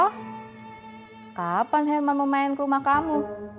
oh kapan herman mau main ke rumah kamu